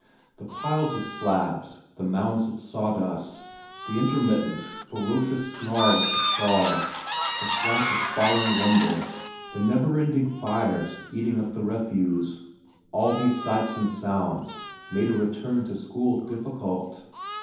The piles of slabs, the mounds of sawdust, the intermittent, ferocious snarl of the saws, the slap of falling lumber, the never ending fires eating up the refuse all these sights and sounds made a return to school difficult.